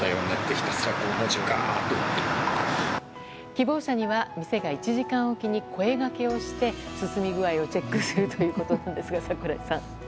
希望者には店が１時間おきに声掛けをして進み具合をチェックするのですが。